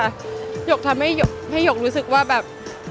หยกทำให้หยกรู้สึกว่าแบบ